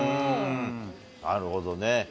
なるほどね。